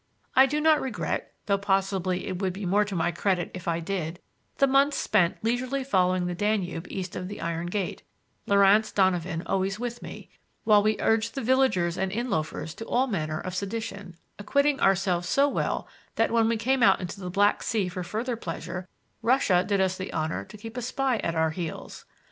I do not regret, though possibly it would be more to my credit if I did, the months spent leisurely following the Danube east of the Iron Gate—Laurance Donovan always with me, while we urged the villagers and inn loafers to all manner of sedition, acquitting ourselves so well that, when we came out into the Black Sea for further pleasure, Russia did us the honor to keep a spy at our heels.